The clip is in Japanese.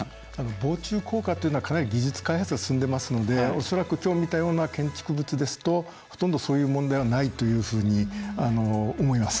防虫効果というのはかなり技術開発が進んでますので恐らく、きょう見たような建築物ですとほとんどそういう問題はないというふうに思います。